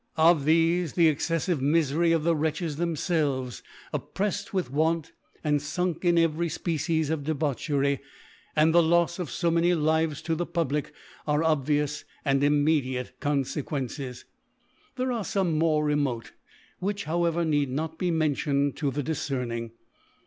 Of ^hcfe the excclfiyc Mifery of the Wretches theoifelves, q^prefTed with Want, and funk in every Specif of Debauchery, and the Lofs of fo maay Lives to the Public, are obvious and immediate Coniequences. There are feme more remote, which, however, need not be mentioned to the Difcerning.